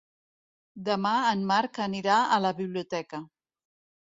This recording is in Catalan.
Demà en Marc anirà a la biblioteca.